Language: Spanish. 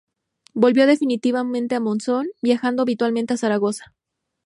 Volvió definitivamente a Monzón, viajando habitualmente a Zaragoza.